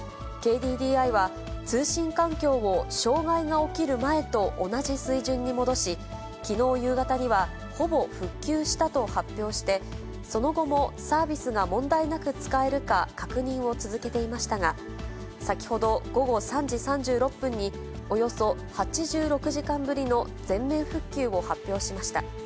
ＫＤＤＩは、通信環境を障害が起きる前と同じ水準に戻し、きのう夕方にはほぼ復旧したと発表して、その後もサービスが問題なく使えるか確認を続けていましたが、先ほど午後３時３６分に、およそ８６時間ぶりの全面復旧を発表しました。